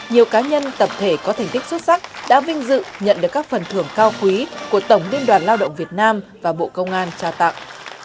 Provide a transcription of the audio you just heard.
hành tích xuất sắc đã vinh dự nhận được các phần thưởng cao quý của tổng liên đoàn lao động việt nam và bộ công an tra tặng